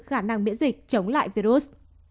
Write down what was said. khả năng biễn dịch chống lại virus